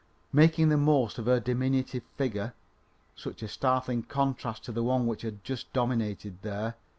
Making the most of her diminutive figure, such a startling contrast to the one which had just dominated there!